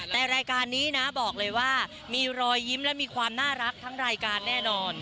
แต่รายการนี้นะบอกเลยว่ามีรอยยิ้มและมีความน่ารักทั้งรายการแน่นอน